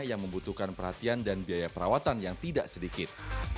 yang membutuhkan perhatian dan biaya perawatan yang tidak sedikit